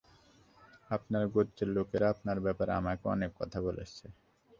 আপনার গোত্রের লোকেরা আপনার ব্যাপারে আমাকে অনেক কথা বলেছে।